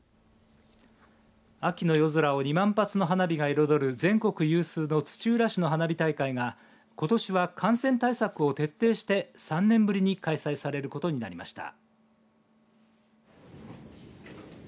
秋の夜空を２万発の花火が彩る全国有数の土浦市の花火大会がことしは感染対策を徹底して３年ぶりに開催されることになりました。